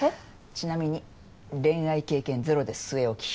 ちなみに恋愛経験ゼロで据え置き。